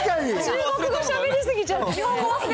中国語しゃべりすぎちゃって。